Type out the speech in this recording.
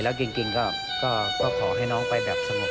แล้วจริงก็ขอให้น้องไปแบบสงบ